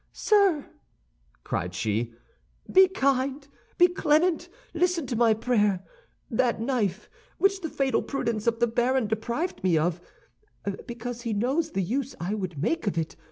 "Sir," cried she, "be kind, be clement, listen to my prayer! That knife, which the fatal prudence of the baron deprived me of, because he knows the use I would make of it!